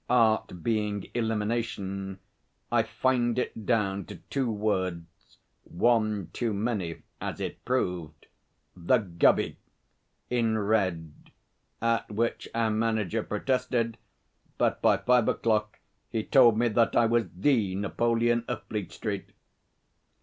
Art being elimination, I fined it down to two words (one too many, as it proved) 'The Gubby!' in red, at which our manager protested; but by five o'clock he told me that I was the Napoleon of Fleet Street.